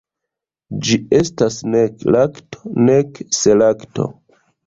Ĝi estas nek lakto, nek selakto.